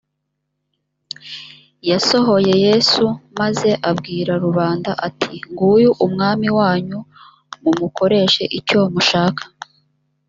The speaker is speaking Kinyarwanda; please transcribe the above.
yasohoye yesu maze abwira rubanda ati nguyu umwami wanyu mu mukoreshe icyo mushaka